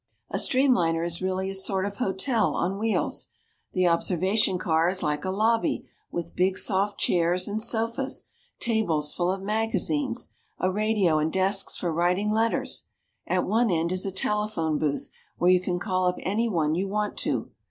A streamliner is really a sort of hotel on wheels. The observation car is like a lobby, with big soft chairs and sofas, tables full of magazines, a radio and desks for writing letters. At one end is a telephone booth where you can call up anyone you want to.